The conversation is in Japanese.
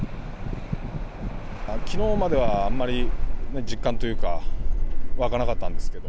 きのうまでは、あんまり実感というか、湧かなかったんですけど。